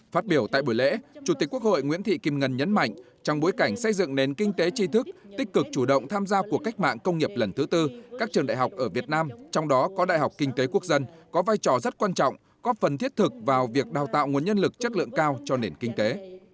phát biểu tại buổi lễ chủ tịch quốc hội nguyễn thị kim ngân nhấn mạnh trong bối cảnh xây dựng nền kinh tế tri thức tích cực chủ động tham gia cuộc cách mạng công nghiệp lần thứ tư các trường đại học ở việt nam trong đó có đại học kinh tế quốc dân có vai trò rất quan trọng góp phần thiết thực vào việc đào tạo nguồn nhân lực chất lượng cao cho nền kinh tế